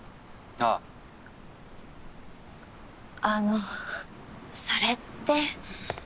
あのそれって。